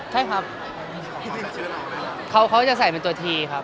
ใช่ครับเขาจะใส่เป็นตัวทีครับ